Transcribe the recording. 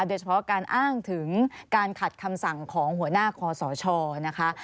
โดยเฉพาะการอ้างถึงการขัดคำสั่งของหัวหน้าคอสชนะคะ